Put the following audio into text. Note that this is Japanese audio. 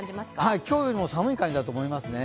今日よりも寒い感じだと思いますね。